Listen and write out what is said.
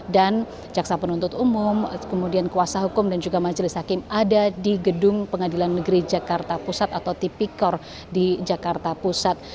dan jaksa penuntut umum kemudian kuasa hukum dan juga majelis hakim ada di gedung pengadilan negeri jakarta pusat atau tpkor di jakarta pusat